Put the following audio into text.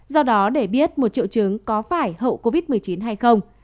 do đó để biết một triệu chứng có phải hậu covid một mươi chín hay không